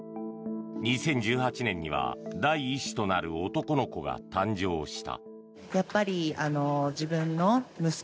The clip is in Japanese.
２０１８年には第１子となる男の子が誕生した。